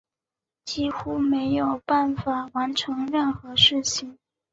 几乎没有办法完成任何事情